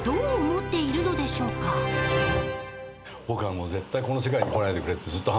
僕はもう絶対この世界に来ないでくれって。